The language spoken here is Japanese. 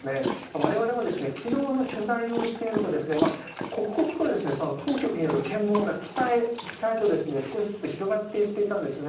我々も昨日、取材をしていると刻々と当局による検問が北へ北へと、少しずつ広がっていったんですね。